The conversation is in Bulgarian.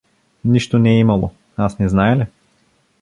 Нищо не е имало, аз не зная ли?